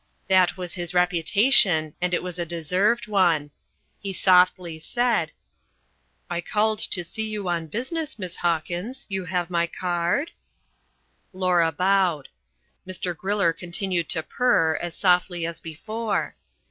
That was his reputation, and it was a deserved one. He softly said: "I called to see you on business, Miss Hawkins. You have my card?" Laura bowed. Mr. Griller continued to purr, as softly as before.